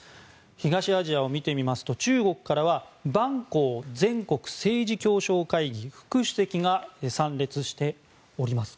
東アジアを見てみますと中国からはバン・コウ全国政治協商会議副主席が参列しております。